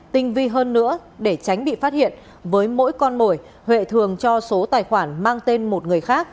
tinh vi hơn nữa để tránh bị phát hiện với mỗi con mồi huệ huệ thường cho số tài khoản mang tên một người khác